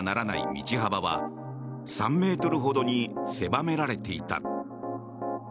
道幅は３ｍほどに狭められていた。